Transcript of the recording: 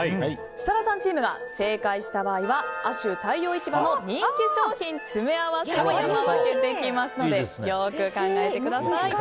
設楽さんチームが正解した場合は亜州太陽市場の人気商品詰め合わせを山分けできますのでよく考えてください。